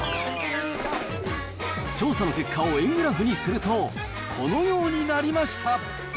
調査の結果を円グラフにすると、このようになりました。